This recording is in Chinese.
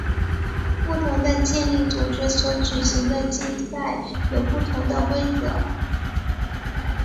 不同的健力组织所举行的竞赛有不同的规则。